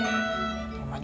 kebeneran lo dateng